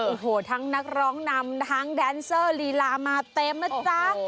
โอ้โหทั้งนักร้องนำทั้งแดนเซอร์ลีลามาเต็มนะจ๊ะ